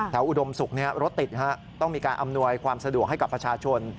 อุดมศุกร์รถติดต้องมีการอำนวยความสะดวกให้กับประชาชน